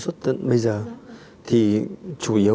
cái hồi đó thì theo đuổi